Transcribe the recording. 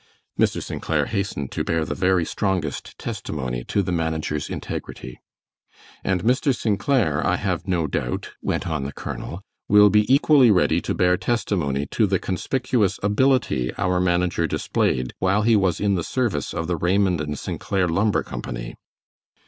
Mr. St. Clair hastened to bear the very strongest testimony to the manager's integrity. "And Mr. St. Clair, I have no doubt," went on the colonel, "will be equally ready to bear testimony to the conspicuous ability our manager displayed while he was in the service of the Raymond and St. Clair Lumber Company."